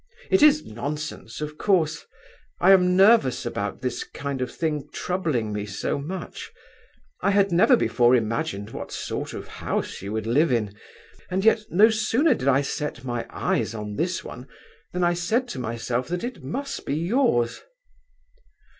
It is nonsense, of course. I am nervous about this kind of thing troubling me so much. I had never before imagined what sort of a house you would live in, and yet no sooner did I set eyes on this one than I said to myself that it must be yours."